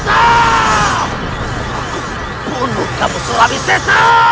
aku bunuh kamu surah al sisa